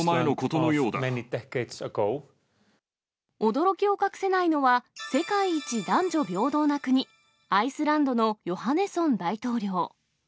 驚きを隠せないのは、世界一男女平等な国、アイスランドのヨハネソン大統領。